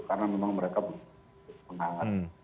karena memang mereka menang